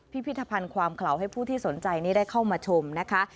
พิพิธภัณฑ์ความเขลาให้ผู้ที่สนใจนี้ได้เข้ามาชมนะคะ